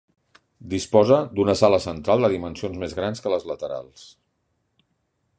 Disposa d'una sala central de dimensions més grans que les laterals.